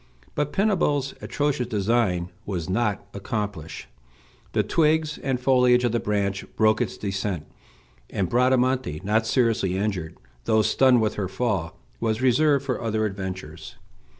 But Pinabel's atrocious design was not accomplished. The twigs and foliage of the branch broke its descent, and Bradamante, not seriously injured, though stunned with her fall, was reserved for other adventures.